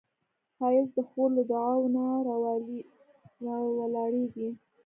ښایست د خور له دعاوو نه راولاړیږي